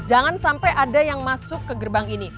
jangan sampai ada yang masuk ke gerbang ini